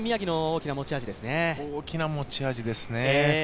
大きな持ち味ですね。